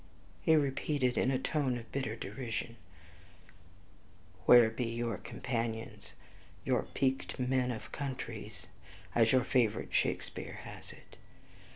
he repeated in a tone of bitter derision; "where be your companions, your peaked men of countries, as your favorite Shakespeare has it?